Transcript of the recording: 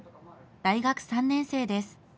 大学３年生です。